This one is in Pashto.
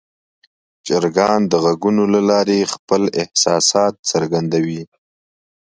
چرګان د غږونو له لارې خپل احساسات څرګندوي.